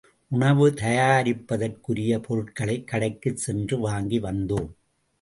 உணவு தயாரிப்பதற்குரிய பொருட்களைக் கடைக்குச் சென்று வாங்கி வந்தோம்.